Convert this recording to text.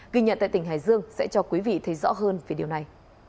ghi nhận tại tỉnh hải dương sẽ cho quý vị thấy rõ hơn về điều này